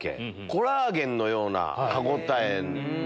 コラーゲンのような歯応え。